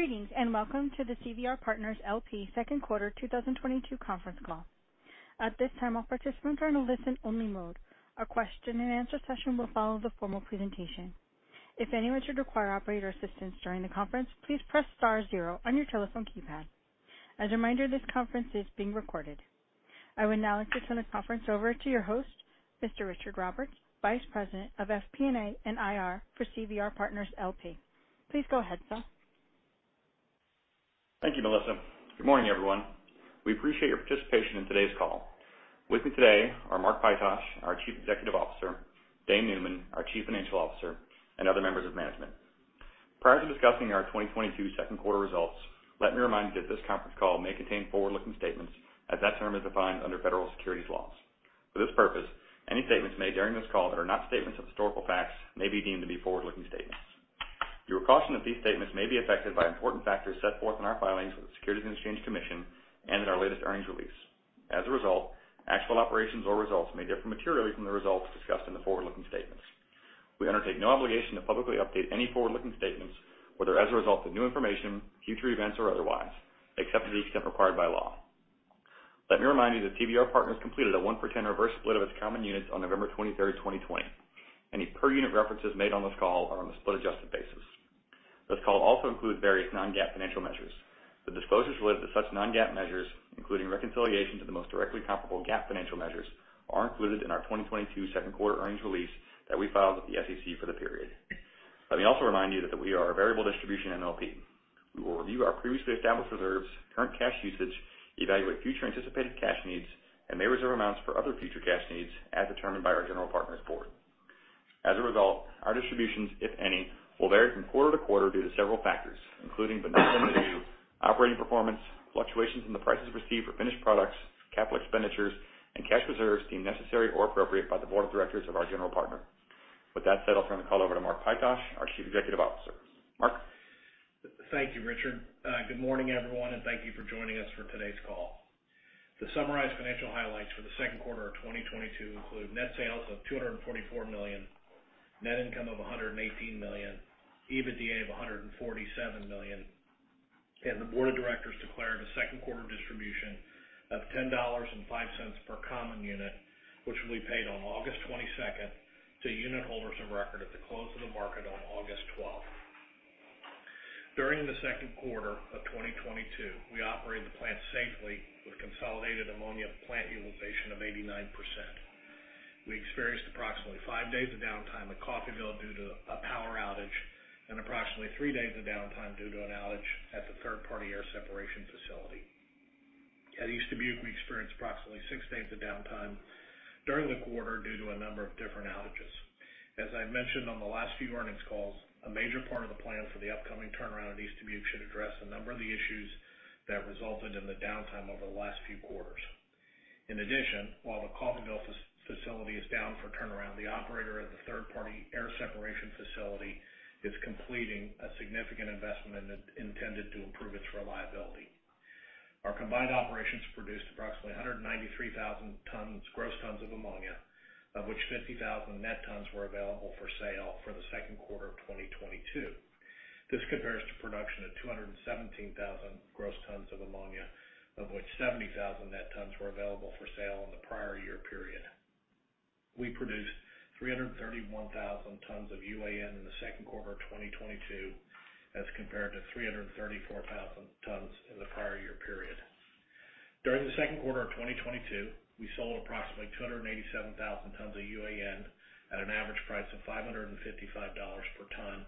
Greetings, and welcome to the CVR Partners, LP Second Quarter 2022 conference call. At this time, all participants are in a listen-only mode. A question-and-answer session will follow the formal presentation. If anyone should require operator assistance during the conference, please press star zero on your telephone keypad. As a reminder, this conference is being recorded. I will now turn this conference over to your host, Mr. Richard Roberts, Vice President of FP&A and IR for CVR Partners, LP. Please go ahead, sir. Thank you, Melissa. Good morning, everyone. We appreciate your participation in today's call. With me today are Mark Pytosh, our Chief Executive Officer, Dane Neumann, our Chief Financial Officer, and other members of management. Prior to discussing our 2022 second quarter results, let me remind you that this conference call may contain forward-looking statements as that term is defined under federal securities laws. For this purpose, any statements made during this call that are not statements of historical facts may be deemed to be forward-looking statements. You are cautioned that these statements may be affected by important factors set forth in our filings with the Securities and Exchange Commission and in our latest earnings release. As a result, actual operations or results may differ materially from the results discussed in the forward-looking statements. We undertake no obligation to publicly update any forward-looking statements, whether as a result of new information, future events, or otherwise, except to the extent required by law. Let me remind you that CVR Partners completed a 1-for-10 reverse split of its common units on November 23, 2020. Any per-unit references made on this call are on the split-adjusted basis. This call also includes various non-GAAP financial measures. The disclosures related to such non-GAAP measures, including reconciliation to the most directly comparable GAAP financial measures, are included in our 2022 second quarter earnings release that we filed with the SEC for the period. Let me also remind you that we are a variable distribution MLP. We will review our previously established reserves, current cash usage, evaluate future anticipated cash needs, and may reserve amounts for other future cash needs as determined by our general partner's board. As a result, our distributions, if any, will vary from quarter to quarter due to several factors, including but not limited to operating performance, fluctuations in the prices received for finished products, capital expenditures, and cash reserves deemed necessary or appropriate by the board of directors of our general partner. With that said, I'll turn the call over to Mark Pytosh, our Chief Executive Officer. Mark? Thank you, Richard. Good morning, everyone, and thank you for joining us for today's call. To summarize financial highlights for the second quarter of 2022 include net sales of $244 million, net income of $118 million, EBITDA of $147 million, and the board of directors declared a second quarter distribution of $10.05 per common unit, which will be paid on August 22nd to unit holders of record at the close of the market on August 12th. During the second quarter of 2022, we operated the plant safely with consolidated ammonia plant utilization of 89%. We experienced approximately five days of downtime at Coffeyville due to a power outage and approximately three days of downtime due to an outage at the third-party air separation facility. At East Dubuque, we experienced approximately six days of downtime during the quarter due to a number of different outages. As I mentioned on the last few earnings calls, a major part of the plan for the upcoming turnaround at East Dubuque should address a number of the issues that resulted in the downtime over the last few quarters. In addition, while the Coffeyville facility is down for turnaround, the operator of the third-party air separation facility is completing a significant investment that's intended to improve its reliability. Our combined operations produced approximately 193,000 gross tons of ammonia, of which 50,000 net tons were available for sale for the second quarter of 2022. This compares to production of 217,000 gross tons of ammonia, of which 70,000 net tons were available for sale in the prior year period. We produced 331,000 tons of UAN in the second quarter of 2022 as compared to 334,000 tons in the prior year period. During the second quarter of 2022, we sold approximately 287,000 tons of UAN at an average price of $555 per ton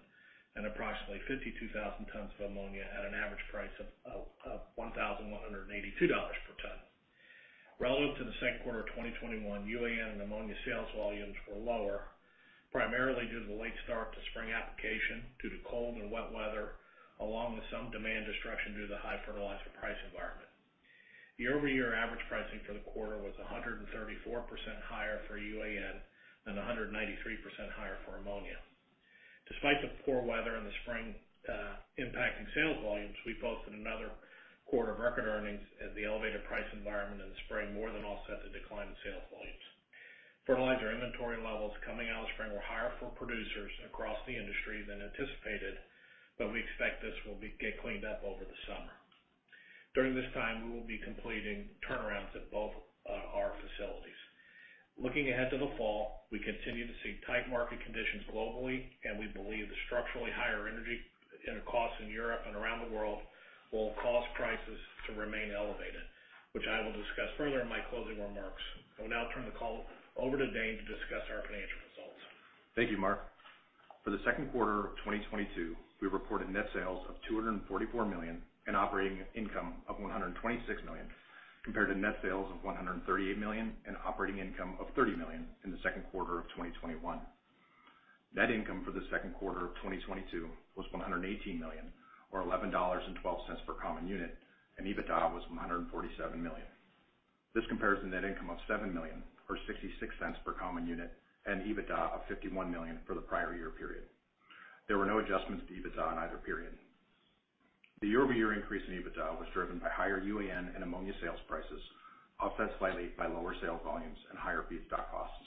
and approximately 52,000 tons of ammonia at an average price of $1,182 per ton. Relative to the second quarter of 2021, UAN and ammonia sales volumes were lower, primarily due to the late start to spring application due to cold and wet weather, along with some demand destruction due to the high fertilizer price environment. The year-over-year average pricing for the quarter was 134% higher for UAN and 193% higher for ammonia. Despite the poor weather in the spring, impacting sales volumes, we posted another quarter of record earnings as the elevated price environment in the spring more than offset the decline in sales volumes. Fertilizer inventory levels coming out of spring were higher for producers across the industry than anticipated, but we expect this will get cleaned up over the summer. During this time, we will be completing turnarounds at both our facilities. Looking ahead to the fall, we continue to see tight market conditions globally, and we believe the structurally higher energy costs in Europe and around the world will cause prices to remain elevated, which I will discuss further in my closing remarks. I will now turn the call over to Dane to discuss our financial results. Thank you, Mark. For the second quarter of 2022, we reported net sales of $244 million and operating income of $126 million, compared to net sales of $138 million and operating income of $30 million in the second quarter of 2021. Net income for the second quarter of 2022 was $118 million or $11.12 per common unit, and EBITDA was $147 million. This compares to net income of $7 million or $0.66 per common unit and EBITDA of $51 million for the prior year period. There were no adjustments to EBITDA in either period. The year-over-year increase in EBITDA was driven by higher UAN and ammonia sales prices, offset slightly by lower sales volumes and higher feedstock costs.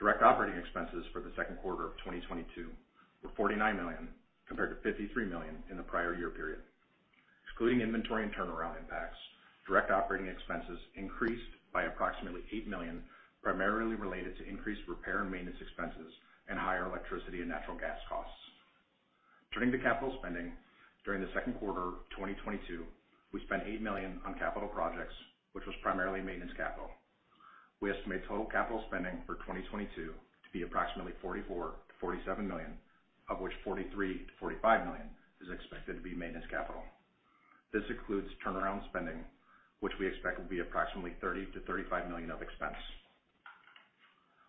Direct operating expenses for the second quarter of 2022 were $49 million compared to $53 million in the prior year period. Excluding inventory and turnaround impacts, direct operating expenses increased by approximately $8 million, primarily related to increased repair and maintenance expenses and higher electricity and natural gas costs. Turning to capital spending, during the second quarter of 2022, we spent $8 million on capital projects, which was primarily maintenance capital. We estimate total capital spending for 2022 to be approximately $44 million-$47 million, of which $43 million-$45 million is expected to be maintenance capital. This includes turnaround spending, which we expect will be approximately $30 million-$35 million of expense.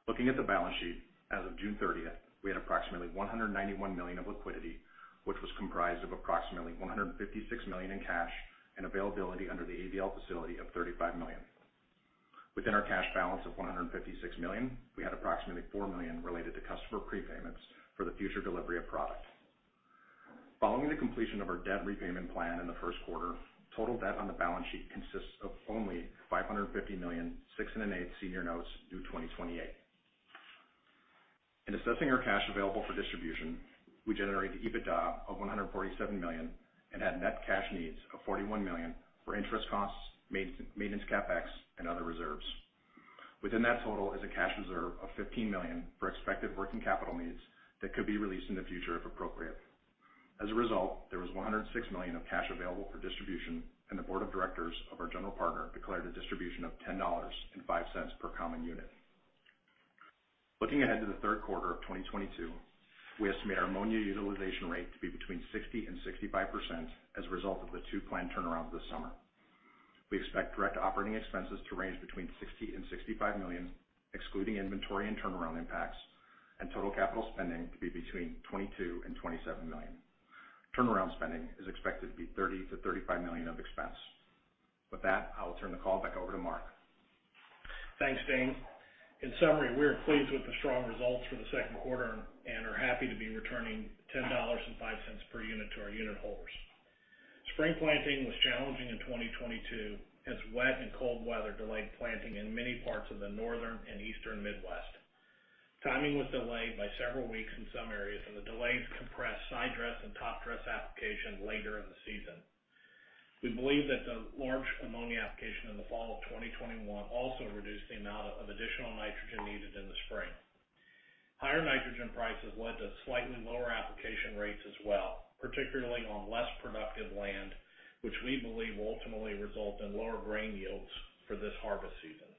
Looking at the balance sheet as of June 30th, we had approximately $191 million of liquidity, which was comprised of approximately $156 million in cash and availability under the ABL facility of $35 million. Within our cash balance of $156 million, we had approximately $4 million related to customer prepayments for the future delivery of product. Following the completion of our debt repayment plan in the first quarter, total debt on the balance sheet consists of only $550 million 6.125% senior notes due 2028. In assessing our cash available for distribution, we generated EBITDA of $147 million and had net cash needs of $41 million for interest costs, maintenance CapEx and other reserves. Within that total is a cash reserve of $15 million for expected working capital needs that could be released in the future if appropriate. As a result, there was $106 million of cash available for distribution, and the board of directors of our general partner declared a distribution of $10.05 per common unit. Looking ahead to the third quarter of 2022, we estimate our ammonia utilization rate to be between 60% and 65% as a result of the two planned turnarounds this summer. We expect direct operating expenses to range between $60 million and $65 million, excluding inventory and turnaround impacts, and total capital spending to be between $22 million and $27 million. Turnaround spending is expected to be $30 million-$35 million of expense. With that, I will turn the call back over to Mark. Thanks, Dane. In summary, we are pleased with the strong results for the second quarter and are happy to be returning $10.05 per unit to our unit holders. Spring planting was challenging in 2022 as wet and cold weather delayed planting in many parts of the northern and eastern Midwest. Timing was delayed by several weeks in some areas, and the delays compressed sidedress and topdress application later in the season. We believe that the large ammonia application in the fall of 2021 also reduced the amount of additional nitrogen needed in the spring. Higher nitrogen prices led to slightly lower application rates as well, particularly on less productive land, which we believe will ultimately result in lower grain yields for this harvest season.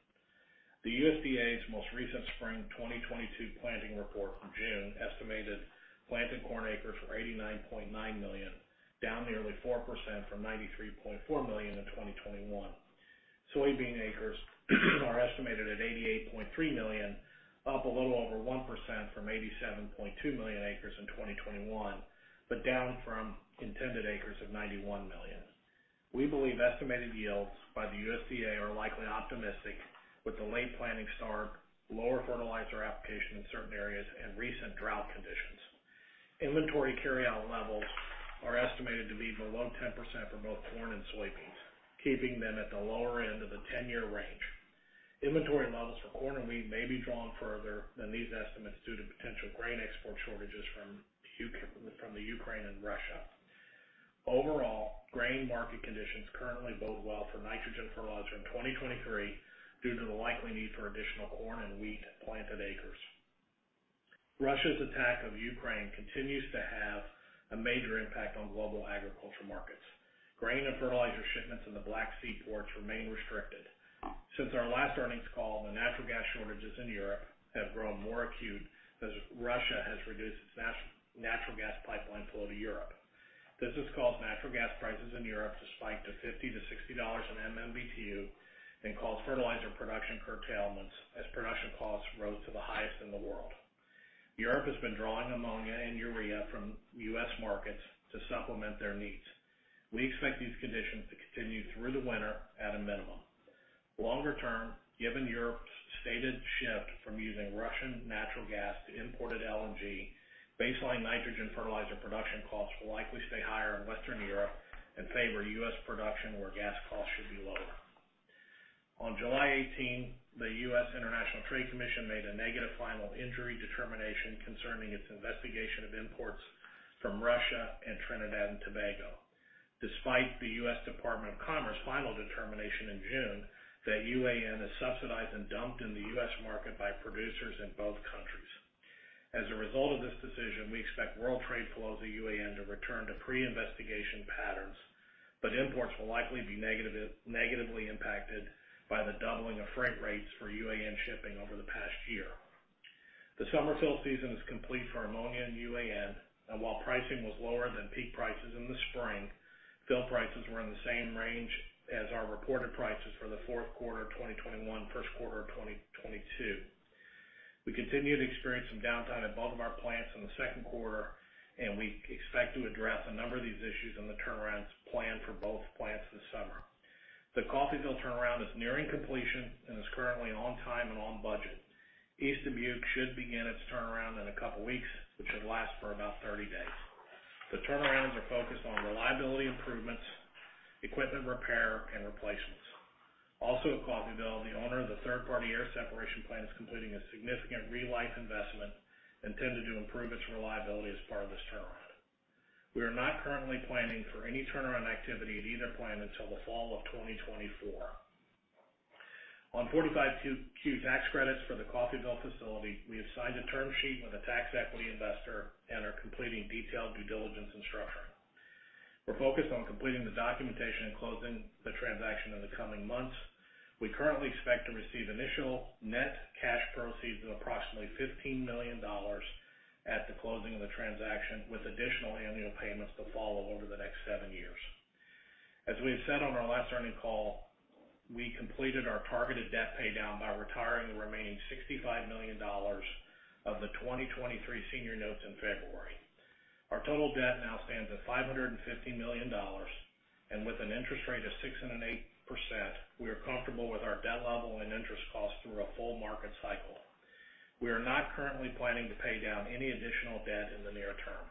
The USDA's most recent spring 2022 planting report from June estimated planted corn acres for 89.9 million, down nearly 4% from 93.4 million in 2021. Soybean acres are estimated at 88.3 million, up a little over 1% from 87.2 million acres in 2021, but down from intended acres of 91 million. We believe estimated yields by the USDA are likely optimistic with the late planting start, lower fertilizer application in certain areas, and recent drought conditions. Inventory carryout levels are estimated to be below 10% for both corn and soybeans, keeping them at the lower end of the 10-year range. Inventory levels for corn and wheat may be drawn further than these estimates due to potential grain export shortages from the Ukraine and Russia. Overall, grain market conditions currently bode well for nitrogen fertilizer in 2023 due to the likely need for additional corn and wheat planted acres. Russia's attack of Ukraine continues to have a major impact on global agriculture markets. Grain and fertilizer shipments in the Black Sea ports remain restricted. Since our last earnings call, the natural gas shortages in Europe have grown more acute as Russia has reduced its natural gas pipeline flow to Europe. This has caused natural gas prices in Europe to spike to $50-$60 per MMBtu and caused fertilizer production curtailments as production costs rose to the highest in the world. Europe has been drawing ammonia and urea from U.S. markets to supplement their needs. We expect these conditions to continue through the winter at a minimum. Longer term, given Europe's stated shift from using Russian natural gas to imported LNG, baseline nitrogen fertilizer production costs will likely stay higher in Western Europe and favor U.S. production, where gas costs should be lower. On July 18, the U.S. International Trade Commission made a negative final injury determination concerning its investigation of imports from Russia and Trinidad and Tobago. Despite the U.S. Department of Commerce final determination in June that UAN is subsidized and dumped in the U.S. market by producers in both countries. As a result of this decision, we expect world trade flows of UAN to return to pre-investigation patterns, but imports will likely be negatively impacted by the doubling of freight rates for UAN shipping over the past year. The summer fill season is complete for ammonia and UAN, and while pricing was lower than peak prices in the spring, fill prices were in the same range as our reported prices for the fourth quarter of 2021, first quarter of 2022. We continued to experience some downtime at both of our plants in the second quarter, and we expect to address a number of these issues in the turnarounds planned for both plants this summer. The Coffeyville turnaround is nearing completion and is currently on time and on budget. East Dubuque should begin its turnaround in a couple weeks, which should last for about 30 days. The turnarounds are focused on reliability improvements, equipment repair and replacements. Also at Coffeyville, the owner of the third-party air separation plant is completing a significant re-life investment intended to improve its reliability as part of this turnaround. We are not currently planning for any turnaround activity at either plant until the fall of 2024. On 45Q tax credits for the Coffeyville facility, we have signed a term sheet with a tax equity investor and are completing detailed due diligence and structuring. We're focused on completing the documentation and closing the transaction in the coming months. We currently expect to receive initial net cash proceeds of approximately $15 million at the closing of the transaction, with additional annual payments to follow over the next seven years. As we said on our last earnings call, we completed our targeted debt pay down by retiring the remaining $65 million of the 2023 senior notes in February. Our total debt now stands at $550 million, and with an interest rate of 6.125%, we are comfortable with our debt level and interest costs through a full market cycle. We are not currently planning to pay down any additional debt in the near term.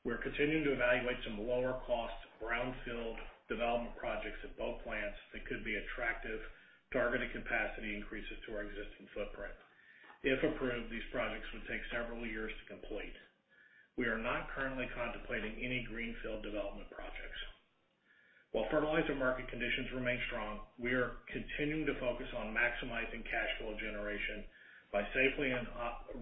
We're continuing to evaluate some lower cost brownfield development projects at both plants that could be attractive targeted capacity increases to our existing footprint. If approved, these projects would take several years to complete. We are not currently contemplating any greenfield development projects. While fertilizer market conditions remain strong, we are continuing to focus on maximizing cash flow generation by safely and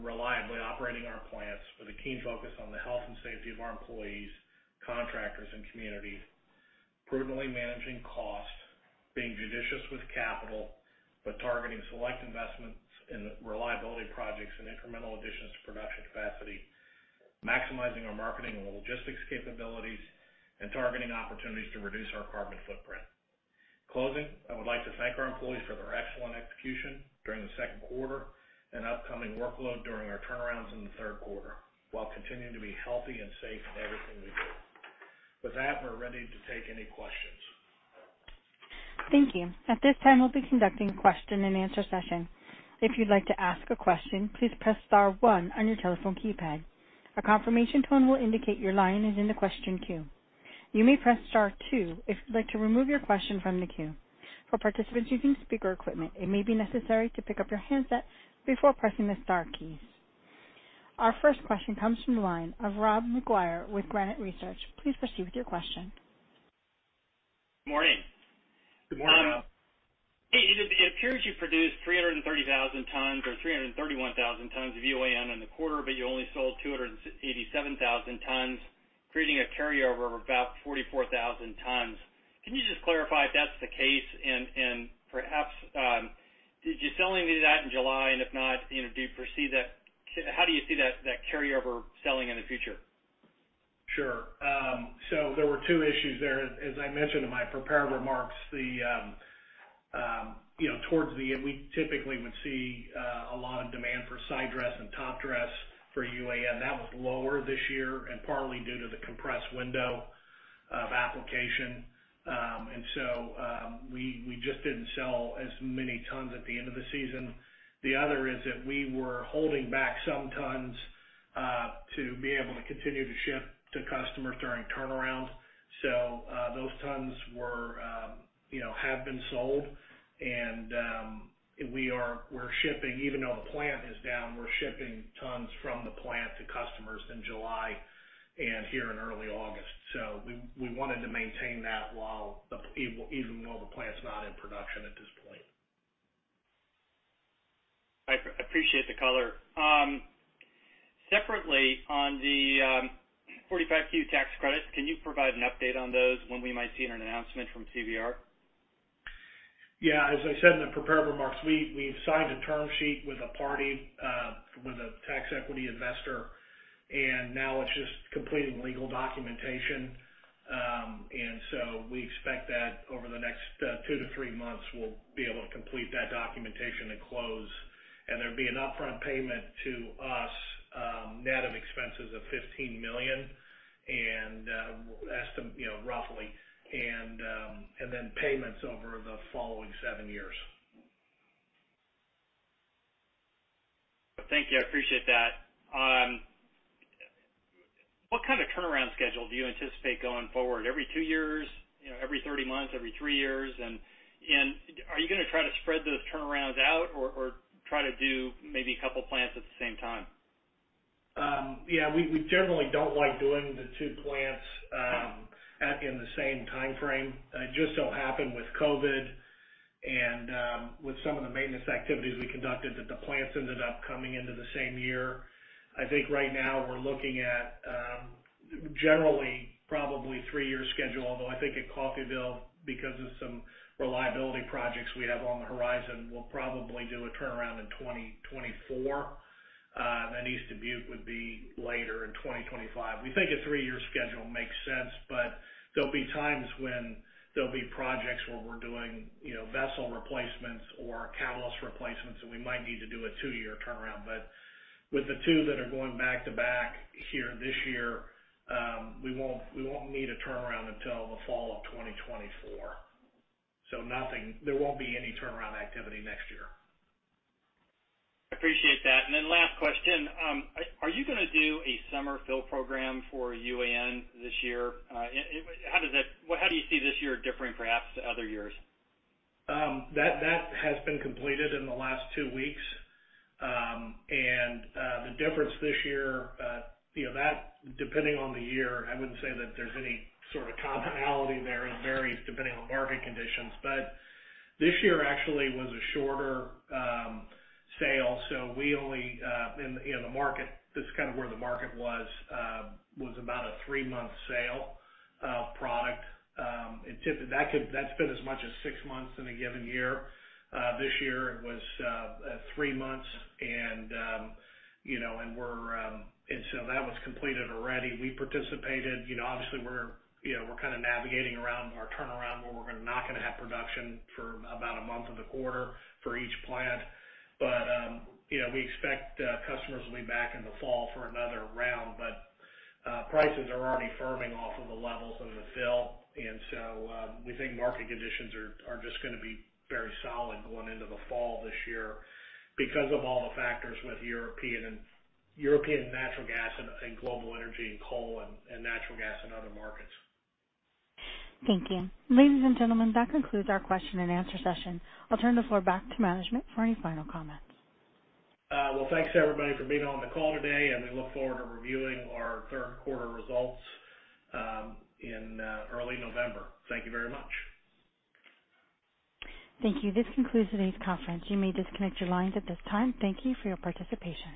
reliably operating our plants with a keen focus on the health and safety of our employees, contractors and community, prudently managing costs, being judicious with capital, but targeting select investments in reliability projects and incremental additions to production capacity, maximizing our marketing and logistics capabilities, and targeting opportunities to reduce our carbon footprint. In closing, I would like to thank our employees for their excellent execution during the second quarter and upcoming workload during our turnarounds in the third quarter, while continuing to be healthy and safe in everything we do. With that, we're ready to take any questions. Thank you. At this time, we'll be conducting question and answer session. If you'd like to ask a question, please press star one on your telephone keypad. A confirmation tone will indicate your line is in the question queue. You may press star two if you'd like to remove your question from the queue. For participants using speaker equipment, it may be necessary to pick up your handset before pressing the star keys. Our first question comes from the line of Rob McGuire with Granite Research. Please proceed with your question. Morning. Good morning. It appears you produced 330,000 tons or 331,000 tons of UAN in the quarter, but you only sold 287,000 tons, creating a carryover of about 44,000 tons. Can you just clarify if that's the case? Perhaps, did you sell any of that in July? If not, you know, how do you see that carryover selling in the future? There were two issues there. As I mentioned in my prepared remarks, you know, towards the end, we typically would see a lot of demand for side dress and top dress for UAN. That was lower this year and partly due to the compressed window of application. We just didn't sell as many tons at the end of the season. The other is that we were holding back some tons to be able to continue to ship to customers during turnaround. Those tons were, you know, have been sold. We're shipping even though the plant is down, we're shipping tons from the plant to customers in July and here in early August. We wanted to maintain that even though the plant's not in production at this point. I appreciate the color. Separately, on the 45Q tax credits, can you provide an update on those when we might see an announcement from CVR? Yeah, as I said in the prepared remarks, we've signed a term sheet with a party with a tax equity investor, and now it's just completing legal documentation. We expect that over the next two to three months, we'll be able to complete that documentation and close, and there'd be an upfront payment to us, net of expenses of $15 million, you know, roughly. Payments over the following seven years. Thank you. I appreciate that. What kind of turnaround schedule do you anticipate going forward? Every two years, you know, every 30 months, every three years? Are you gonna try to spread those turnarounds out or try to do maybe a couple plants at the same time? Yeah, we generally don't like doing the two plants in the same timeframe. It just so happened with COVID and with some of the maintenance activities we conducted that the plants ended up coming into the same year. I think right now we're looking at generally probably three-year schedule, although I think at Coffeyville, because of some reliability projects we have on the horizon, we'll probably do a turnaround in 2024. Then East Dubuque would be later in 2025. We think a three-year schedule makes sense, but there'll be times when there'll be projects where we're doing, you know, vessel replacements or catalyst replacements, and we might need to do a two-year turnaround. With the two that are going back-to-back here this year, we won't need a turnaround until the fall of 2024. There won't be any turnaround activity next year. Appreciate that. Last question. Are you gonna do a summer fill program for UAN this year? How do you see this year differing perhaps to other years? That has been completed in the last two weeks. The difference this year, you know, that depending on the year, I wouldn't say that there's any sort of commonality there. It varies depending on market conditions. This year actually was a shorter sale, so we only in, you know, the market, this is kind of where the market was about a three-month sale product. That's been as much as six months in a given year. This year it was three months. That was completed already. We participated. You know, obviously we're, you know, we're kind of navigating around our turnaround where we're not gonna have production for about a month of the quarter for each plant. You know, we expect customers will be back in the fall for another round. Prices are already firming off of the levels of the fall. We think market conditions are just gonna be very solid going into the fall this year because of all the factors with European natural gas and global energy and coal and natural gas in other markets. Thank you. Ladies and gentlemen, that concludes our question and answer session. I'll turn the floor back to management for any final comments. Well, thanks, everybody, for being on the call today, and we look forward to reviewing our third quarter results in early November. Thank you very much. Thank you. This concludes today's conference. You may disconnect your lines at this time. Thank you for your participation.